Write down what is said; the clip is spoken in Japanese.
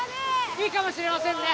いいかもしれませんね